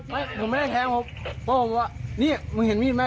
หนูไม่ได้แทงผมเพราะผมว่านี่มึงเห็นมีดไหม